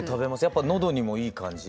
やっぱ喉にもいい感じ？